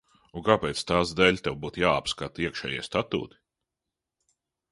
Un kāpēc tās dēļ tev būtu jāapskata iekšējie statūti?